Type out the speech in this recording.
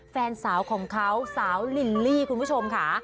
แฟนสาวของเขาสาวลิลลี่คุณผู้ชมค่ะ